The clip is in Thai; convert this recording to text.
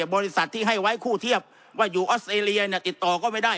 บริษัทที่ให้ไว้คู่เทียบว่าอยู่ออสเตรเลียเนี่ยติดต่อก็ไม่ได้